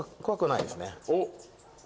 おっ。